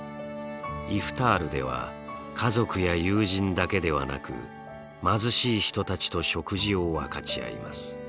イフタールでは家族や友人だけではなく貧しい人たちと食事を分かち合います。